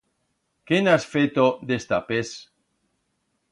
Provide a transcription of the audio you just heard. Qué en has feto d'es tapes?